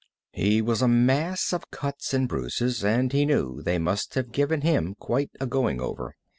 He was a mass of cuts and bruises, and he knew they must have given him quite a going over.